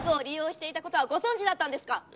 「利用していた事はご存じだったんですか？」